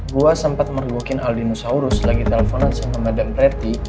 gue sempet merugokin aldinosaurus lagi telfonan sama madam preti